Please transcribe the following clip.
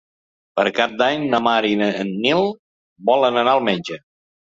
Per Cap d'Any na Mar i en Nil volen anar al metge.